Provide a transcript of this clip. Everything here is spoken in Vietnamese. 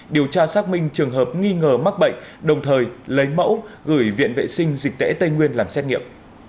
điều tra xác minh trường hợp nghi ngờ mắc bệnh đồng thời lấy mẫu gửi viện vệ sinh dịch tễ tây nguyên làm xét nghiệm